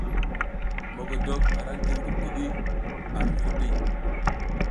Mogodok a ra ndi mikudikudi ar zlirɗi.